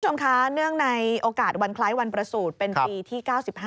คุณผู้ชมคะเนื่องในโอกาสวันคล้ายวันประสูจน์เป็นปีที่๙๕